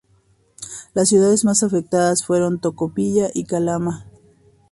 Las ciudades más afectadas fueron Tocopilla y Calama.